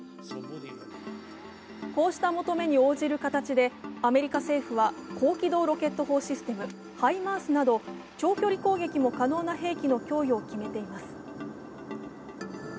こうした求めに応じる形で、アメリカ政府は高機動ロケット砲システム・ＨＩＭＡＲＳなど長距離攻撃も可能な兵器の供与を決めています。